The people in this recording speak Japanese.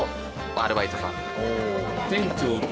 アルバイトさん。